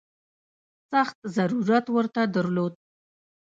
سخت ضرورت ورته درلود.